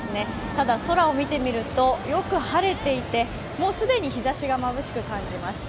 ただ、空を見てみるとよく晴れていてもう既に日差しがまぶしく感じます。